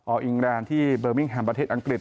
อิงแรนด์ที่เบอร์มิ่งแฮมประเทศอังกฤษ